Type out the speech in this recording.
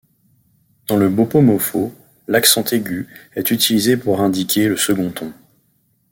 Dans le bopomofo, l’accent aigu est utilisé pour indiquer le second ton.